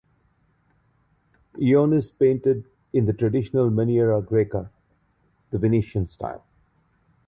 Ioannis painted in the traditional maniera greca and the Venetian style.